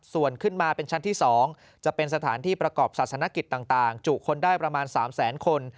ส่วนขึ้นมาเป็นชั้นที่๒จะเป็นสถานที่ประกอบศาสนกิจต่างจุคนได้ประมาณ๓แสนคน